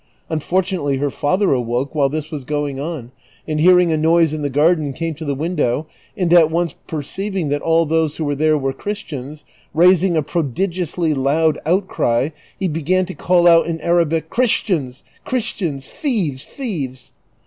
Unfortu nately her father awoke, while this was going on, and hearing a noise in the garden, came to the window, and at once perceiving that all those who were there were Christians, raising a prodigiously loud outcry, he began to call out in Arabic, "Christians, Christians! thieves, thieves